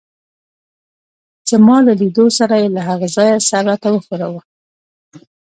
زما له لیدو سره يې له هغه ځایه سر راته وښوراوه.